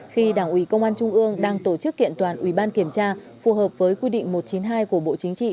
khi đảng ủy công an trung ương đang tổ chức kiện toàn ủy ban kiểm tra phù hợp với quy định một trăm chín mươi hai của bộ chính trị